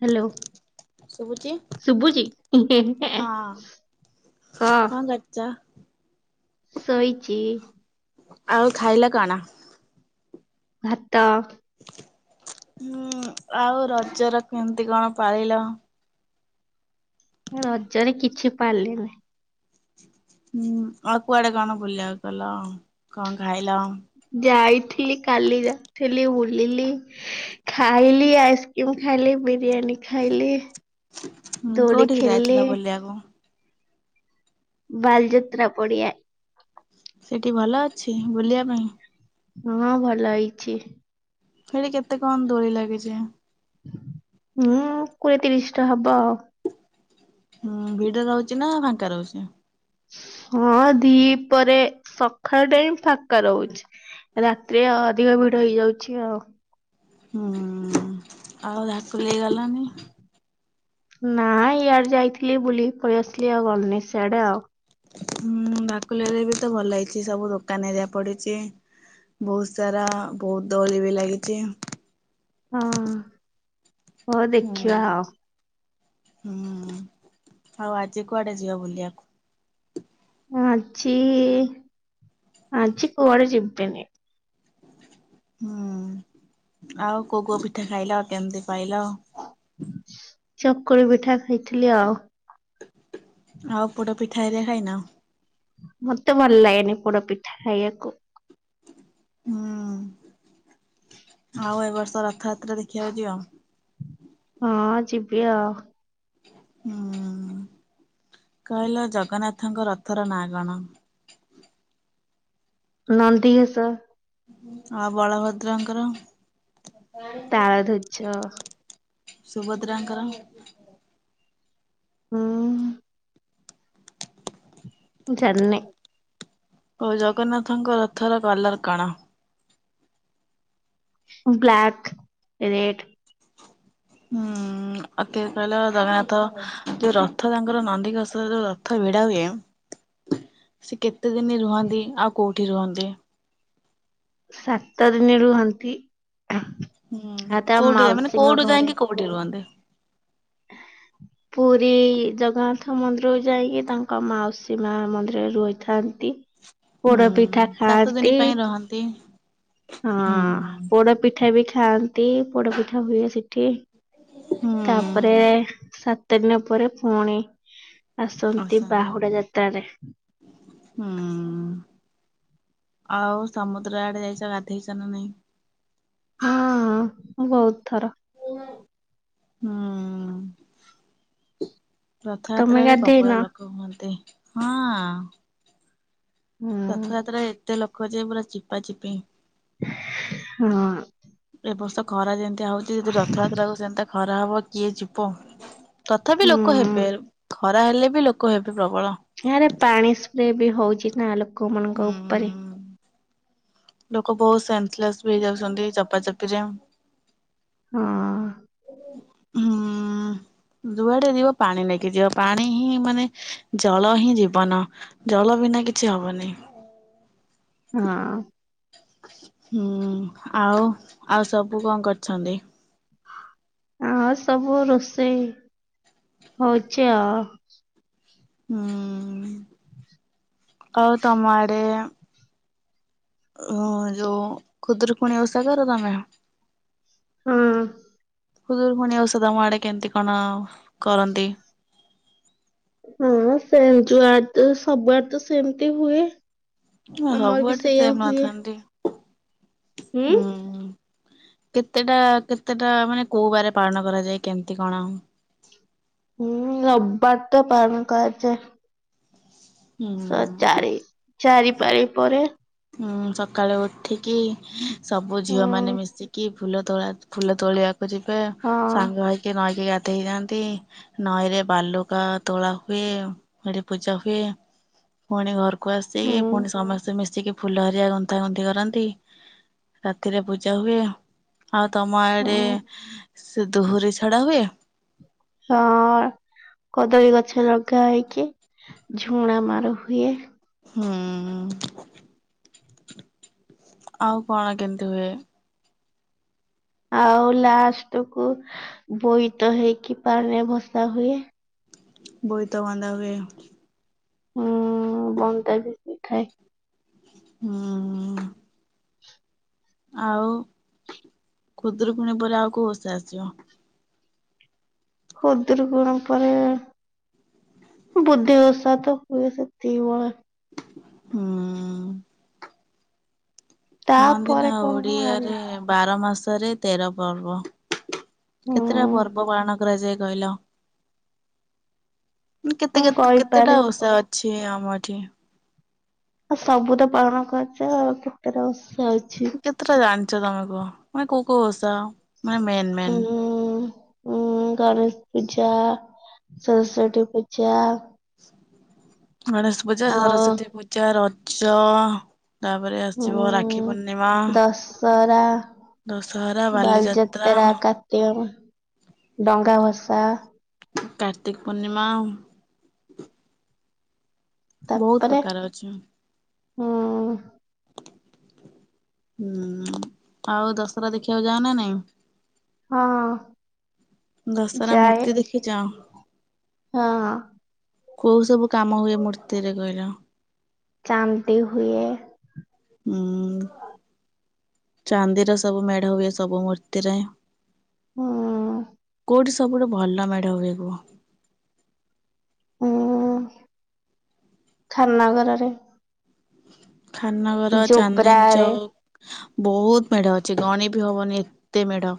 Hello. ଶୁଭୁଚି? ଶୁଭୁଚି ହଁ। ଗଛା। ସୋଇଛି। ଆଉ ଖାଇଲା କଣା। ଭାତ। ହୁଁ ଆଉ ରଜ ର କେମିତି କଣ ପାଳିଲ। ରଜରେ କିଛି ପାରିଲନି। ହୁଁ ଆଉ କୁଆଡେ କଣ ବୁଲିବାକୁ ଗଲ କଣ ଖାଇଲ। ଯାଇଥିଲି କାଲି ଯାଇଥିଲି ବୁଲିଲି। ଖାଇଲି ଆଇସ୍କ୍ରିମ୍ ଖାଇଲି ବିରିୟାନୀ ଖାଇଲି, ଦୋଳି ଖେଳିଲି। ଯାହା ହଉ। ବାଲଯାତ୍ରା ପଡିଆ ସେଠି ଭଲ ଅଛି ବୁଲିବା ପାଇଁ। ହଁ, ଭଲ ହେଇଛି। ସେଠି କେତେ କଣ ଦୋଳି ଲାଗିଛି? ହୁଁ, କୋଡିଏ, ତିରିଶ ଟା ହବ ଆଉ। ହୁଁ, ଭିଡ ରହୁଛି ନା ଫାଙ୍କା ରହୁଛି। ହଁ ଦି ପରେ ସକାଳ ଟାଇମ୍ ଫାଙ୍କା ରହୁଛି। ରାତିରେ ଆଉ ଅଧିକ ଭିଡ ହେଇଯାଉଛି ଆଉ। ହୁଁ, ଆଉ ଧାକୁଲି ଗଲାନି। ନାଇଁ ଇଆଡେ ଯାଇଥିଲି ବୁଲି କହିଆସିଲି ଆଉ ଗଲିନି ସଆଡେ ଆଉ। ହୁଁ, ଭାକୁଲା ରେ ବି ତ ଭଲ ହେଇଛି ସବୁ ଦୋକାନ ଏରିଆ ପଡିଛି। ବହୁତ୍ ସାରା ବହୁତ୍ ଦୋଳି ବି ଲାଗିଛି। ହଁ। ହଉ ହୁଁ, ଦେଖିବା ଆଉ ହୁଁ ଆଉ ଆଜି କୁଆଡେ ଯିବା ବୁଲିବାକୁ? ଆଜି ଆଜି କୁଆଡେ ଯିବିନି। ହୁଁ, ଆଉ କୋଉ କୋଉ ପିଠା ଖାଇଲ କେମିତି ପାଇଲ? ଚକୁଳି ପିଠା ଖାଇଥିଲି ଆଉ। ଆଉ ପୋଡ଼ ପିଠା ଘଟିକା ଖାଇନ? ମତେ ଭଲ ଲାଗେନି ପୋଡ଼ ପିଠା ଖାଇବାକୁ। ହୁଁ, ଆଉ ଏ ବର୍ଷ ରଥଯାତ୍ରା ଦେଖିବାକୁ ଯିବ। ହଁ, ଯିବି ଆଉ। ହୁଁ, କହିଲ ଜଗନ୍ନାଥଙ୍କ ରଥର ନାଁ କଣ? ନନ୍ଦିଘୋଷ ଆଉ ବଳଭଦ୍ରଙ୍କର? ତାଳଧ୍ୱଜ ସୁଭଦ୍ରାଙ୍କର ହୁଁ। ଜାଣିନି। ହଉ ଜଗନ୍ନାଥଙ୍କ ରଥର କଲର କଣ? Black, red. ହୁଁ। ଅତି କହିଲ ଜଗନ୍ନାଥ ଯୋଉ ରଥ ତାଙ୍କର ନନ୍ଦିଘୋସ୍ରେ ଯୋଉ ରଥ ଭିଡା ହୁଏ। ସେ କେତେ ଦିନ ରୁହନ୍ତି ଆଉ କୋଉଠି ରୁହନ୍ତି? ସାତ ଦିନେ ରୁହନ୍ତି। ହୁଁ, ଆଉ ତା କୋଉଠି ହୁଏ ମନେ ମାଉସୀଙ୍କ କୋଉଠୁ ଘରେ ଯାଇକି କୋଉଠି ରୁହନ୍ତି। ପୁରୀ ଜଗନ୍ନାଥ ମନ୍ଦିର ଯାଇକି ତାଙ୍କ ମାଉସୀ ମା ମନ୍ଦିରରେ ରହିଥାନ୍ତି। ହୁଁ। ପୋଡ ପିଠା ସାତ ଦିନ ଖାଆନ୍ତି ପାଇଁ ରହନ୍ତି ହଁ, ହୁଁ ପୋଡପିଠା ବି ଖାଆନ୍ତି, ପୋଡପିଠା ହୁଏ ସେଠି। ହୁଁ। ତାପରେ ସାତ ଦିନ ପରେ ପୁଣି ଆସନ୍ତି ବାହୁଡା ଯାତ୍ରାରେ। ହୁଁ। ଆଉ ସମୁଦ୍ର ଆଡେ ଯାଇଚ ଗାଧେଇଚ ନା ନାଇଁ? ହଁ ମୁଁ ବହୁତ ଥର। ହୁଁ। ତମେ ରଥଯାତ୍ରାରେ ପ୍ରବଳ ଗାଧେଇନ? ଲୋକ ହୁଅନ୍ତି ହଁ। ହୁଁ। ରଥଯାତ୍ରା ଏତେ ଲୋକ ଯେ ପୁରା ଚିପା ଚିପି। ହଁ। ଏ ବର୍ଷ ଖରା ଯେମିତି ହୋଉଚି ଯଦି ରଥଯାତ୍ର କୁ ସେମିତି ଖରା ହବ କିଏ ଯିବ ତଥାପି ଲୋକ ହୁଁ ହେବେ ଖରା ହେଲେ ବି ଲୋକ ହେବେ ପ୍ରବଳ। ଏରେ ପାଣି ସ୍ପ୍ରେ ବି ହୋଉଚି ନା ଲୋକମାନାନଙ୍କ ଉପରେ ହୁଁ। ଲୋକ ବହୁତ ସେନ୍ସଲେସ୍ ବି ହେଇଯାଉଛନ୍ତି ଏ ଚାପା ଚାପି ରେ ହଁ ହୁଁ। ଦୁଆଡେ ଯିବ ପାଣି ନେଇକି ଯିବ ପାଣି ହିଁ ମାନେ ଜଳ ହିଁ ଜୀବନ। ଜଳ ବିନା କିଛି ହବନି। ହୁଁ। ହୁଁ ଆଉ ଆଉ ସବୁ କଣ କରିଛନ୍ତି? ହଁ ସବୁ ରୋଷେଇ ହୋଉଚି ଆଉ। ହୁଁ। ହ ଆଉ ତମ ଆଡେ ଅ ଯୋ ଖୁଦୁରୁକୁଣୀ ଓଷା କର ତମେ? ହୁଁ। ଖୁଦୁରୁକୁଣୀ ଓଷା ତମ ଆଡେ କେମିତି କଣ କରନ୍ତି? ହଁ ସେମ ଯୁଆଡ ସବୁଆଡ ତ ସେମିତି ହୁଏ। ଆମର ବି ସବୁଆଡେ ସେଇଆ ସେମ୍ ହୁଏ। ନଥାନ୍ତି ହୁଁ। କେତେଟା କେତେଟା ମାନେ କୋଉ ବାରେ ପାଳନ କରାଯାଏ କେମିତି କଣ? ହୁଁ ରବିବାର ତ ପାଳନ କରାଯାଏ। ହୁଁ। ଚାରି ଚାରିପାରି ପରେ ଉଁ ସକାଳେ ଉଠିକି ସବୁ ଝିଅ ହୁଁ ମାନେ ମିଶିକି ଫୁଲ ତୋ ଫୁଲ ତୋଳିବାକୁ ଯିବେ ହଁ ସାଙ୍ଗ ହେଇକି ନଈକି ଗାଧେଇ ଯାଆନ୍ତି। ନଈରେ ବାଲୁକା ତୋଳା ହୁଏ ଏଠି ପୂଜା ହୁଏ ଫୁଣି ଘରକୁ ଆସିକି ହୁଁ ଫୁଣି ସମସ୍ତେ ମିଶିକି ଫୁଲ ହରିକା ଗନ୍ଥା ଗୁନ୍ଥି କରନ୍ତି ରାତିରେ ପୂଜା ହୁଏ। ଆଉ ତମ ଆଡେ ହୁଁ ସେ ଦୁହୁରି ଛଡା ହୁଏ। ହଁ କଦଳୀ ଗଛ ଲଗା ହେଇକି ଝୁଣା ମାର ହୁଏ। ହୁଁ। ଆଉ କଣ କେମତି ହୁଏ? ଆଉ ଲାଷ୍ଟ କୁ ବୋଇତ ହେଇକି ପାଣି ଭସା ହୁଏ। ବୋଇତ ବନ୍ଦା ହୁଏ। ହୁଁ ବନ୍‌ ଟା ବିଥାଏ। ହୁଁ। ଆଉ ଖୁଦୁରୁ କୁଣୀ ପରେ ଆଉ କୋଉ ଓସା ଆସିବ। ଖୁଦୁରୁକୁଣୀ ପରେ ବୁଧେଇ ଓଷା ତ ହୁଏ ସେତିକି ବଳେ। ହୁଁ। କହନ୍ତି ନା ତାପରେ କଣ କଣ ଜାଣିନି ଓଡିଆରେ ବାର ମାସରେ ତେର ପର୍ବ ହୁଁ କେତେଟା ପର୍ବ ପାଳନ କରାଯାଏ କହିଲ କେତେ ମୁଁ କେତ୍- କେତେଟା କହିପାରିବି ଓଷା ଅ ଛି ଆମରି। ଆଉ ସବୁ ତ ପାଳନ କରୁଚୁ ଆଉ କେତେଟା [unintelligible] କେତେଟା ଜାଣିଚ ତମେ କୁହ ମାନେ କଉ କଉ ଓଷା? ମାନେ ମେନ୍ ମେନ୍? ଉଁ-। ଉଁ- ଗଣେଶ୍ ପୂଜା, ସରସ୍ଵତୀ ପୂଜା ଗଣେଶ ପୂଜା, ଆଉ ସରସ୍ଵତୀ ପୂଜା, ରଜ ତାପରେ ଆସିବ ରାକ୍ଷୀ ଉଁ ପୂର୍ଣ୍ଣିମା। ଦଶହରା ଦଶହରା, ବାଲିଯାତ୍ରା ଆ- କାର୍ତ୍ତିକ କୁ ଡଙ୍ଗା ଭସା କାର୍ତ୍ତିକ୍ ପୂର୍ଣ୍ଣିମା। ତା ବହୁତ ପରେ ପ୍ରକାର ଅଛି। ହୁଁ- ହୁଁ ଆଉ ଦଶରା ଦେଖିବାକୁ ଯାଅନା ନାଇଁ? ହଁ। ଦଶରା ଯାଏ ମୂର୍ତ୍ତି ଦେଖିଚ? ହଁ। କଉ ସବୁ କାମ ହୁଏ ମୂର୍ତ୍ତି ରେ କହିଲ? ଚାନ୍ଦି ହୁଏ। ହୁଁ। ଚାନ୍ଦିର ସବୁ ମେଢ ହୁଏ ସବୁ ମୂର୍ତ୍ତିରେ। ହଁ। କଉଠି ସବୁଠୁ ଭଲ ମେଢ ହୁଏ କୁହ? ହୁଁ ଖାନ୍ ନଗର ରେ। ଖାନନଗର୍, ଚାନ୍ଦିନୀ ଜୋବ୍ରାରେ ଚୌକ୍ ବହୁତ୍ ମେଢ ଅଛି ଗଣି ବି ହବନି ଏତେ ମେଢ।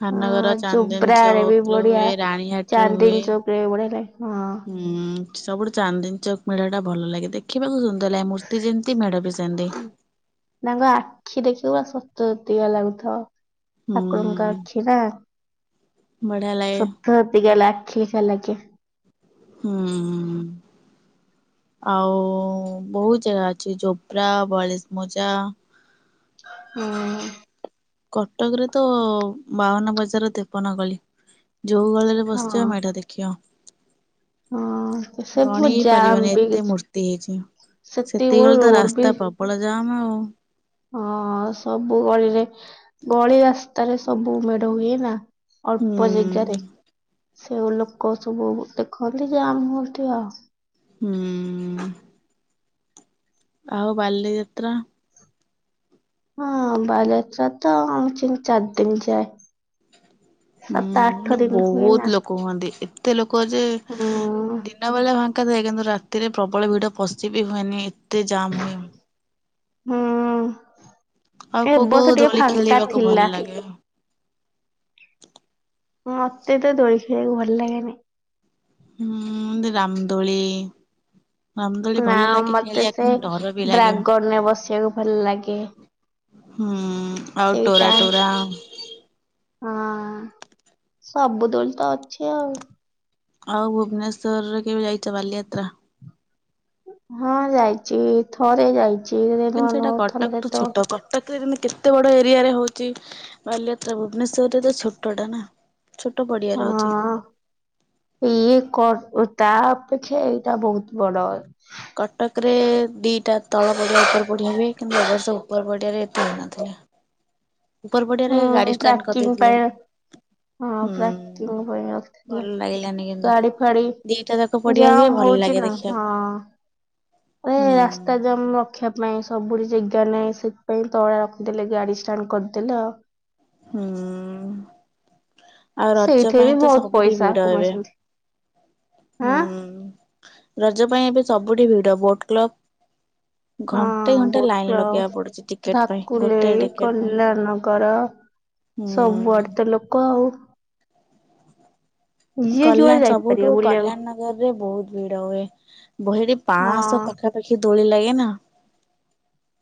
ଖାନନଗର୍, ହଁ ଚାନ୍ଦିନୀ ଚୋବ୍ରାରେ ବି ଚୌକ ରେ ବଢିଆ ହୁଏ ରାଣୀହାଟ ରେ ହୁଏ [unintelligible] ହୁଁ ସବୁଠୁ ଚାନ୍ଦିନୀ ଚୌକ୍ ମେଢ ଟା ଭଲ ଲାଗେ ଦେଖ୍ ଦେଖିବାକୁ ସୁନ୍ଦର ଲାଗେ ମୂର୍ତ୍ତି ଯେମିତି ମେଢ ବି ସେମିତି। ତାଙ୍କ ଆଖି ଦେଖିବା ପୁରା ସତସତିକା ଲାଗୁଥିବ। ହୁଁ ଠାକୁରଙ୍କ ଆଖି ନା ବଢିଆ ଲାଗେ ସତ୍ ସତସତିକା ଆଖି [unintelligible] ହୁଁ। ଆଉ ବହୁତ୍ ଜାଗା ଅଛି ଜୋବ୍ରା ବଳେଶ୍ ମୌଜା ହୁଁ। କଟକରେ ତ ବାଉନ ବଜାର ତେପନ ଗଳି ଯଉ ଗଳିରେ ହଁ। ବସିଚ ମେଢ ଦେଖି ହଁ ସବୁ ଗଣିବି ଜାମ୍ ପାରିବନି ବି ଏତେ ମୂର୍ତ୍ତି ହେଇଚି। ସେତିକି ବେଳେ ସେତିକିବଳେ ତ ରୋଡ ବି ରାସ୍ତା ପ୍ରବଳ ଜାମ୍ ଆଉ। ହଁ ସବୁ ଗଳିରେ ଗଳି ରାସ୍ତାରେ ସବୁ ମେଢ ହୁଏ ନା। ହୁଁ ଅଳ୍ପ ଜେଗାରେ ସେ ଓ ଲୋକ ସବୁ ଦେଖନ୍ତି ଯେ ଆମ ଇଠି ଆଉ। ହୁଁ ଆଉ ବାଲିଯାତ୍ରା? ହଁ ଆମ ବାଲିଯାତ୍ରା ତ ଆମ ତିନି ଚାରି ଦିନ ଯାଏ। ହ ସାତ [unintelligible] ଆଠ ହୁଁ ଦିନ ବୁ ହୁଏ ନା ବହୁତ ଲୋକ ହୁଅନ୍ତି ଏତେ ଲୋକ ଯେ ଦେ ହୁଁ ଦିଲଁବାଲାଁ ଫାଙ୍କା ଥାଏ କିନ୍ତୁ ରାତିରେ ପ୍ରବଳ ଭିଡ଼ ପଶି ବିି ହୁଏନି ଏତେ ଜାମ ହୁଏ। ହୁଁ ଆଉ କୋଉ କୋଉ ଏବର୍ଷ ଟିକେ ଦୋଳି ଫାଙ୍କା ଖେଳିବାକୁ ଭଲ ଥିଲା। ଲାଗେ? ମତେ ତ ଦୋଳି ଖେଳିବାକୁ ଭଲ ଲାଗେନି। ହୁଁ ରାମଦୋଳି ରାମଦୋଳି ନା ଭଲ ଲାଗେ ମତେ ଖେଳିବାକୁ ସେ କିନ୍ତୁ ଡର ବି ଲାଗେ। ଡ୍ରାଗନରେ ବସିବାକୁ ଭଲ ଲାଗେ ହୁଁ ଆଉ ଟୋରା ସେଇଟା ଟୋରା ହଁ ସବୁ ଦୋଳି ତ ଅଛି ଆଉ। ଆଉ ଭୁବନେଶ୍ୱରରେ କେବେ ଯାଇଛ ବାଲିଯାତ୍ରା? ହଁ ଯାଇଛି ଥରେ ଯାଇଛି ନୂଆ ନୂଆ ଥଲ ଯେ ତ ପ୍ରତିଦିନି କେତେ ବଡ ଏରିଆରେ ହଉଛି ବାଲିଯାତ୍ରା ଭୁବନେଶ୍ଵରରେ ତ ଛୋଟଟା ନା। ଛୋଟ ପଡିଆରେ ହଉଛି ହଁ ଇଏ କଟ ଉ ତା ଅପେକ୍ଷା ଏଇଟା ବହୁତ ବଡ। କଟକରେ ଦିଇଟା ତଳ ପଡ଼ିଆ ଉପର ପଡ଼ି ହୁଏ କିନ୍ତୁ ଏବର୍ଷ ଉପର ପଡ଼ିଆରେ ଏତେ ହେଇନଥିଲା। ଉପର ପଡିଆରେ ହୁଁ ଗାଡି ଷ୍ଟାଣ୍ଡ ପ୍ୟାକିଂ କରିଦେଇଥିଲେ। ପାଇଁ ହଁ ହୁଁ ପ୍ୟାକିଂ ପାଇଁ ରଖିଥିଲେ ଭଲ ଲାଗିଲାନି କିନ୍ତୁ ଗାଡି ଫାଡି ଦିଟା ତ ଉପ ପଡିଆ ଜାମ୍ ହୁଏ ଭଲ ହଉଛି ଲାଗେ ନା ଦେଖିଆକୁ। ହଁ। ଏ ରାସ୍ତା ଜାମ ଲକ। ରଖିବା ପାଇଁ ସବୁଠି ଜେଗା ନାହିଁ ସେଥିପାଇଁ ତଳେ ରଖିଦେଲେ ଗାଡି ଷ୍ଟାଣ୍ଡ କରିଦେଲେ ଆଉ। ହୁଁ ଆଉ ରଜ ସେଇଠି ବି ପାଇଁ ତ ବହୁତ ସବୁଠି ପଇସା ଭିଡ ଏବେ କମେଇଛନ୍ତି ହାଁ ହୁଁ। ରଜ ପାଇଁ ଏବେ ସବୁଠି ଭିଡ ବୋଟ କ୍ଲକ ହଁ ବୋଟ କ୍ଲକ ଲଗେଇବାକୁ ପଡୁଛି ଟିକେଟ ପାଇଁ ଗୋଟେ ଭାକୁଲେଇ ଟିକେଟ ପାଇଁ କଲ୍ୟାଣନଗର ସବୁଆଡେ ତ ହୁଁ ଲୋକ ଆଉ। ଯିଏ ଗଲା ଯୁଆଡେ ଯାଇପାରିବ ସବୁଠୁ ବୁଲିବାକୁ କଲ୍ୟାଣ ନଗରରେ ବହୁତ ଭିଡ ହୁଏ। ଗହିରେ ପାଁଶହ ହଁ। ପାଖାପାଖି ଦୋଳି ଲାଗେ ନା।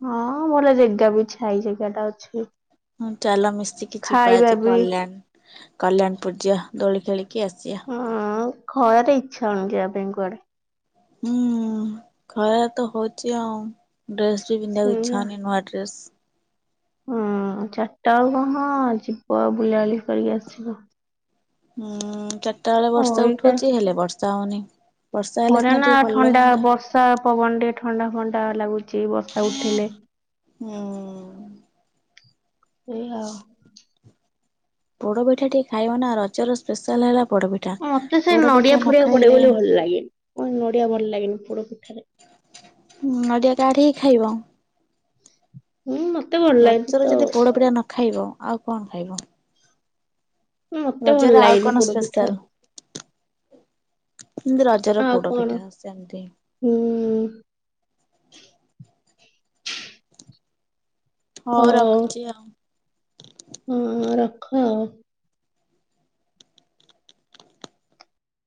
ହଁ ଭଲ ଜେଗା ବିଛାଇଚି ଜେଗା ଟା ଅଛି। ହୁଁ ଚାଲ ମିଶିକି ଯିବା ଖାଇବା ଆଜି ବି କଲ୍ୟାଣ କଲ୍ୟାଣ ପୂରୁ ଜିଆ ଦୋଳି ଖେଳିକି ଆସିଆ। ହଁ ଖରାରେ ଇଚ୍ଛା ହଉନି ଯିବା ପାଇଁ କୁଆଡେ। ହୁଁ ଖରା ତ ହଉଛି ଆଉ ଡ୍ରେସ ବି ପିନ୍ଧିବାକୁ ଇଚ୍ଛା ସେଇଆ ହଉନି ନୂଆ ଡ୍ରେସ ହୁଁ ଚାରିଟା ଆଳୁ ହଁ ଯିବ ଆଉ ବୁଲାବୁଲି କରିକି ଆସିବ। ହୁଁ ଚାରିଟା ବେଳେ ବର୍ଷା ଅଇକା ଉଠୋଉଛି ହେଲେ ବର୍ଷା ହଉନି। ବର୍ଷା ହେଲେ ମୋରେ ସିନା ନା ଟିକେ ଭଲ ଥଣ୍ଡା ଲାଗନ୍ତା ବର୍ଷା ପବନଟେ ଥଣ୍ଡା ଫଣ୍ଡା ଲାଗୁଚି ବର୍ଷା ଉଠେଇଲେ। ହୁଁ ସେଆ ଆଉ ପୋଡପିଠା ଟିକେ ଖାଇବ ନା ରଜର ସ୍ପେଶାଲ ହେଲା ପୋଡପିଠ ମତେ ସେ ନଡିଆ ଫଡିଆ ପଡେ ବୋଲି ଭଲ ଲାଗେନି ଉଁ ନଡିଆ ଭଲ ଲାଗନି ପୋଡ ପିଠାରେ। ନଡିଆ କାଠେଇ ଖାଇବ? ହୁଁ ମତ ରଜରେ ଯଦି ପୋଡପିଠା ନ ଖାଇବ ଆଉ କଣ ଖାଇବ? ମତେ ରଜରେ ଭଲ ଆଉ ଲାଗେନି କଣ ପୋଡ ପିଠା। ଜେମତି ରଜର ଆଉ ପୋଡ କଣ ପିଠା ସେମତି ହୁଁ ହଉ ରଖୁଚି ଆଉ। ହଁ ରଖ ଆଉ।